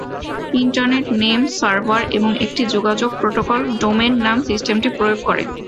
Internet name server এবং একটি যোগাযোগ প্রোটোকল ডোমেন নাম সিস্টেমটি প্রয়োগ করে।